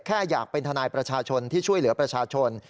แค่อยากเป็นทนายประชาชนที่ช่วยเหลือประชาชน